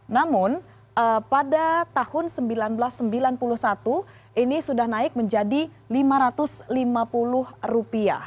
namun pada tahun seribu sembilan ratus sembilan puluh satu ini sudah naik menjadi rp lima ratus lima puluh